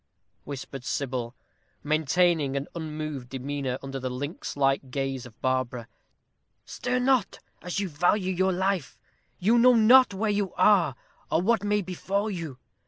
whispered Sybil, maintaining an unmoved demeanor under the lynx like gaze of Barbara. "Stir not, as you value your life; you know not where you are, or what may befall you.